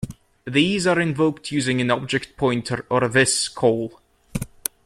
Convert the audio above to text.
These are invoked using an object pointer or a this call.